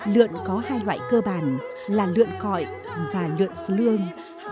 lượn có hai loại cơ bản là lượn cõi và lượn lương